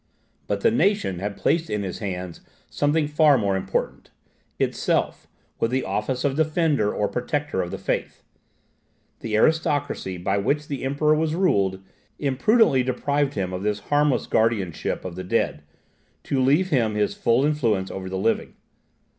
But the nation had placed in his hands something far more important ITSELF with the office of defender or protector of the faith. The aristocracy by which the Emperor was ruled, imprudently deprived him of this harmless guardianship of the dead, to leave him his full influence over the living.